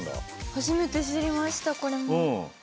初めて知りましたこれも。